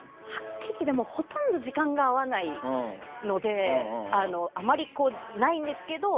ほとんど時間が合わないのであまりないんですけど。